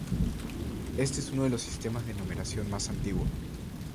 Éste es uno de los sistemas de numeración más antiguos.